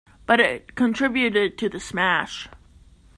But it contributed to the smash.